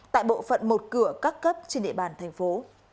tại bộ phận một cửa các cấp trên địa bàn thành phố